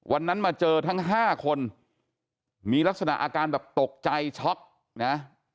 มาเจอทั้ง๕คนมีลักษณะอาการแบบตกใจช็อกนะ